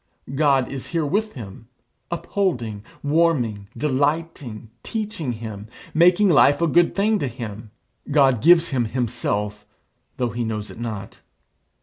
God is here with him, upholding, warming, delighting, teaching him making life a good thing to him. God gives him himself, though he knows it not.